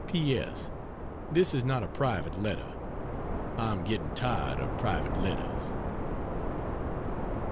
P. S. This is not a private letter. I am getting tired of private letters.